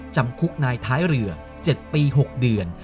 จำคุกนายท้ายเรือ๗ปี๖เดือน